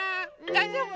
だいじょうぶ？